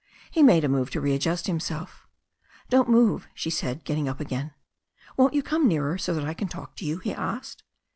He made a move to readjust himself. "Don't move," she said, getting up again. "Won't you come nearer, so that I can talk to youP* he asked.